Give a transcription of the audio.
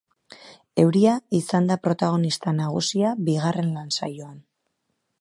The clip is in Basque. Euria izan da protagonista nagusia bigarren lan-saioan.